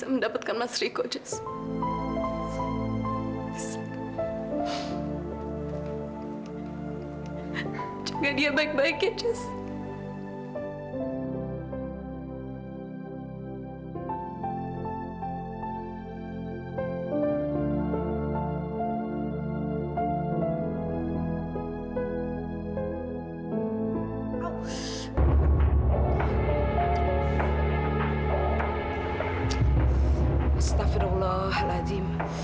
nah ate kawanitor hati honi